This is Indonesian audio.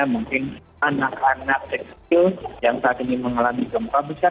mungkin anak anak seksil yang saat ini mengalami gempa